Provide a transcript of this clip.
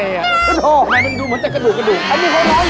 อาหารการกิน